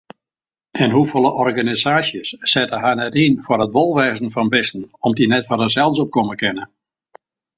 Der moat noch sa'n sechstich prosint fan de stimmen teld wurde.